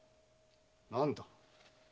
何だ？